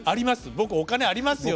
「僕お金あります。